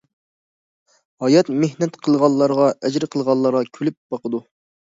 ھايات مېھنەت قىلغانلارغا، ئەجىر قىلغانلارغا كۈلۈپ باقىدۇ.